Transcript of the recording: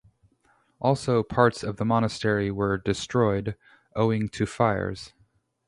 Also parts of the monastery were destroyed owing to fires.